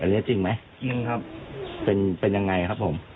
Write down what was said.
อันนี้จริงไหมจริงครับเป็นเป็นยังไงครับผม